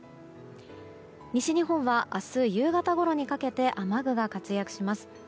西日本は明日夕方ごろにかけて雨具が活躍します。